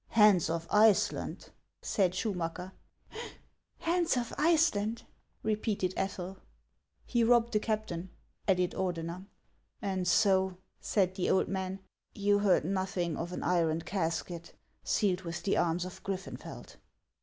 " Hans of Iceland !" said Schumacker. " Hans of Iceland !" repeated Ethel. " He robbed the captain," added Ordener. " And so," said the old man, " you heard nothing of an iron casket, sealed with the arms of Griffenfeld ?